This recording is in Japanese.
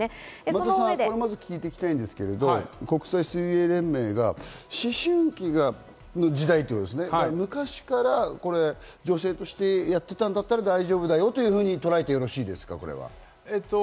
松田さん、これ聞いておきたいんですけれども、国際水泳連盟が思春期が昔から女性としてやってたんだったら大丈夫だよというふうに捉えてもよろしいですか？